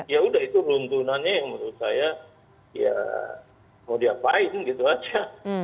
ya udah itu runtunannya yang menurut saya ya mau diapain gitu aja